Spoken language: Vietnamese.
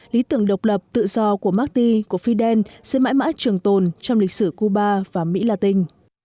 lý tưởng độc lập tự do của marti của fidel sẽ mãi mãi trường tồn trong lịch sử cuba và mỹ latin